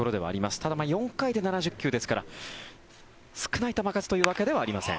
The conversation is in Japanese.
ただ、４回で７０球ですから少ない球数というわけではありません。